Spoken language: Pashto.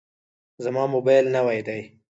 زما موبایل نوی دی.